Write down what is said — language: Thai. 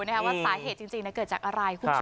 สาเหตุจริงเกิดจากอะไร